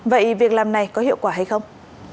vậy việc làm này có hiệu quả hay không